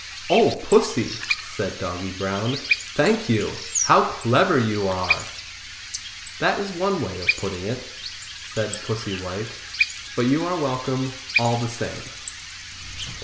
"Oh, Pussy!" said Doggy Brown. "Thank you; how clever you are!" "That is one way of putting it," said Pussy White; "but you are welcome, all the same."